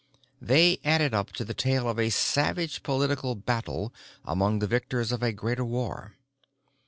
They added up to the tale of a savage political battle among the victors of a greater war.